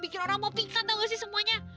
bikin orang mau pingkat tau nggak sih semuanya